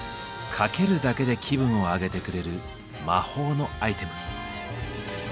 かけるだけで気分を上げてくれる「魔法のアイテム」。